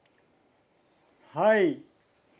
はい。